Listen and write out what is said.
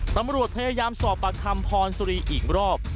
ตำรวจพยายามสอบปากคำพรสุรีอีกรอบ